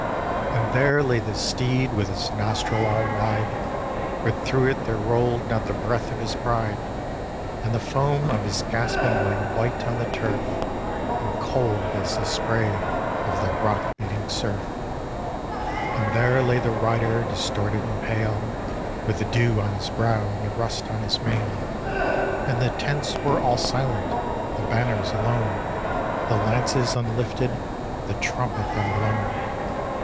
And there lay the steed with his nostril all wide, But through it there roll'd not the breath of his pride: And the foam of his gasping lay white on the turf. And cold as the spray of the rock beating surf. And there lay the rider distorted and pale. With the dew on his brow, and the rust on his mail; And the tents were all silent, the banners alone. The lances unlifted, the trumpet unblown.